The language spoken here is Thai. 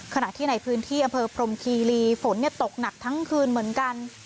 ขณะที่ในพื้นที่อำเภอพรมคีรีฝนตกหนักทั้งคืนเหมือนกัน